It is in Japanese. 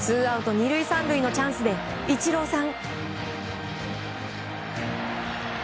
２塁、３塁のチャンスでイチローさん。